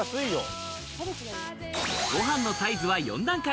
ご飯のサイズは４段階。